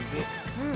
うん。